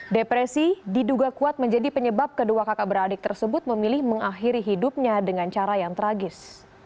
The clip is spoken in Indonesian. depresi diduga kuat menjadi penyebab kedua kakak beradik tersebut memilih mengakhiri hidupnya dengan cara yang tragis